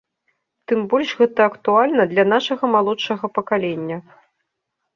Тым больш гэта актуальна для нашага малодшага пакалення.